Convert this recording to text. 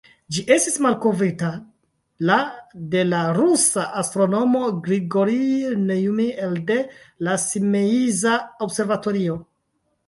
Ĝi estis malkovrita la de la rusa astronomo Grigorij Neujmin elde la Simeiza observatorio.